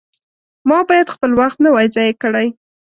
ما باید خپل وخت نه وای ضایع کړی.